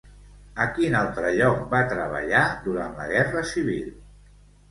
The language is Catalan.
A quin altre lloc va treballar durant la guerra civil?